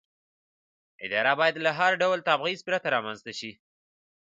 اداره باید له هر ډول تبعیض پرته رامنځته شي.